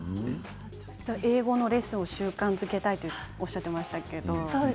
英語のレッスンを習慣化したいとおっしゃっていましたけれども。